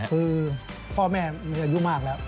คือพ่อแม่มีอายุมากแล้ว